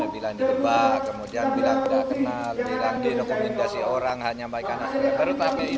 bila dijebak kemudian bila tidak kenal bilang direkomendasi orang hanya baik baik